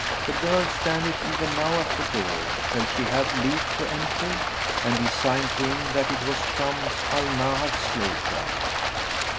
The girl standeth even now at the door: shall she have leave to enter?"; and he signed to him that it was Shams al Nahar's slave girl.